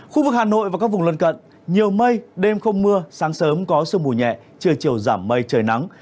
khu vực hà nội và các vùng lân cận nhiều mây đêm không mưa sáng sớm có sương mù nhẹ trưa chiều giảm mây trời nắng